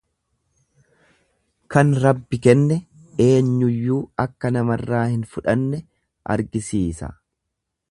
Kan Rabbi kenne eenyuyyuu akka namarraa hin fudhanne argisiisa.